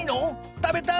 食べたい！